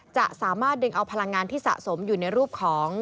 จะสามารถดึงเอาพลังงานที่สะสมอยู่ในรูปของ